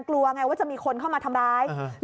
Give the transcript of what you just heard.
กลัวไงว่าจะมีคนเข้ามาทำร้าย